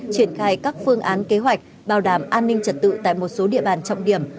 triển khai các phương án kế hoạch bảo đảm an ninh trật tự tại một số địa bàn trọng điểm